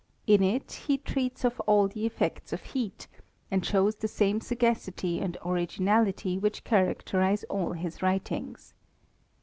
In it he treats of all the effects of heat, and shows the same saga city and originality which characterize all his writings.